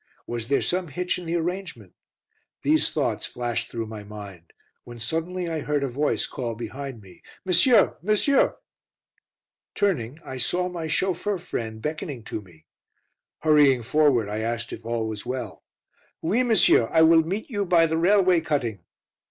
"Was there some hitch in the arrangement?" These thoughts flashed through my mind, when suddenly I heard a voice call behind me. "Monsieur, monsieur!" [Illustration: USING MY AEROSCOPE CAMERA IN BELGIUM, 1914 15] Turning, I saw my chauffeur friend beckoning to me. Hurrying forward, I asked if all was well. "Oui, monsieur. I will meet you by the railway cutting."